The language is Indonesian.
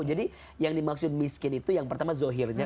jadi yang dimaksud miskin itu yang pertama zuhirnya